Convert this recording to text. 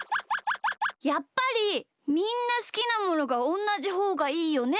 やっぱりみんなすきなものがおんなじほうがいいよね。